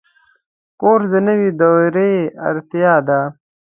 کورس د نوي دورې اړتیا ده.